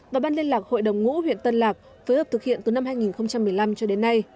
và ban liên lạc hội đồng ngũ huyện tân lạc phối hợp thực hiện từ năm hai nghìn một mươi năm cho đến nay